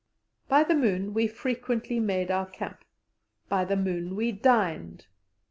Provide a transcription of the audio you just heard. By the moon we frequently made our camp, by the moon we dined.